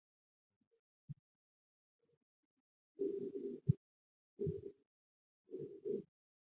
山田死后由柴田武担任主编继续改订工作。